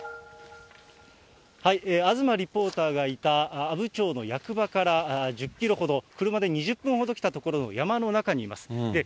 東リポーターがいた阿武町の役場から１０キロほど、車で２０分ほど来た所、山の中にいます。